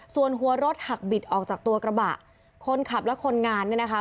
ส่วนหัวรถหักบิดออกจากตัวกระบะคนขับและคนงานเนี่ยนะคะ